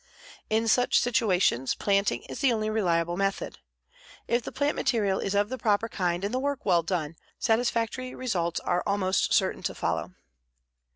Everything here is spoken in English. In such situations, planting is the only reliable method. If the plant material is of the proper kind and the work well done, satisfactory results are almost certain to follow.